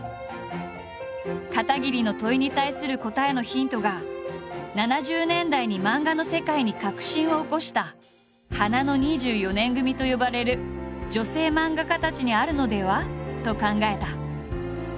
片桐の問いに対する答えのヒントが７０年代に漫画の世界に革新を起こした「花の２４年組」と呼ばれる女性漫画家たちにあるのでは？と考えた。